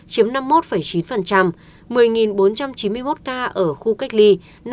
chiếm năm mươi một chín một mươi bốn trăm chín mươi một ca ở khu cách ly năm sáu mươi tám